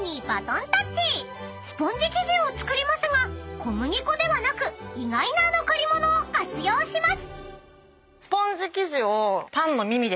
［スポンジ生地を作りますが小麦粉ではなく意外な残り物を活用します］